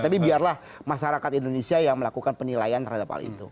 tapi biarlah masyarakat indonesia yang melakukan penilaian terhadap hal itu